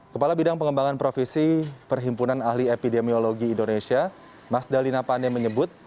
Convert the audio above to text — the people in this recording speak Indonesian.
kepala bidang pengembangan profesi perhimpunan ahli epidemiologi indonesia mas dalina pane menyebut